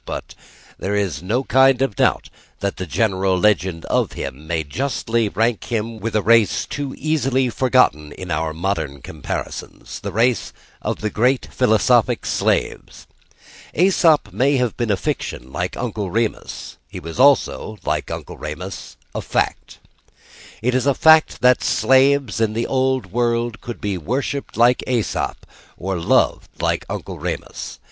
But there is no kind of doubt that the general legend of him may justly rank him with a race too easily forgotten in our modern comparisons: the race of the great philosophic slaves. Æsop may have been a fiction like Uncle Remus: he was also, like Uncle Remus, a fact. It is a fact that slaves in the old world could be worshipped like Æsop, or loved like Uncle Remus.